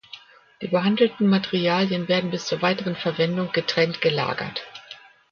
Die behandelten Materialien werden bis zur weiteren Verwendung getrennt gelagert.